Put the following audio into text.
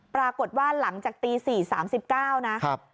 ปรากฏว่าหลังจากตี๔๓๙นะ